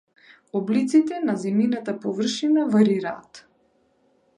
Облиците на земјината површина варираат.